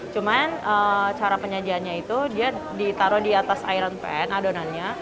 cuman cara penyajiannya itu dia ditaruh di atas iron pan adonannya